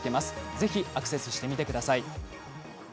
ぜひ、アクセスしてみてください。